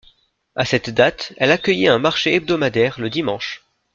À cette date elle accueillait un marché hebdomadaire le dimanche.